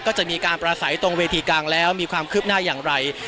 ก็จะมีการประสัยตรงเวทีกลางแล้วมีความคืบหน้าอย่างไร